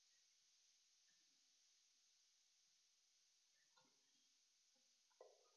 Baina, ez du diru hori.